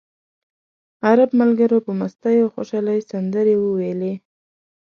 عرب ملګرو په مستۍ او خوشالۍ سندرې وویلې.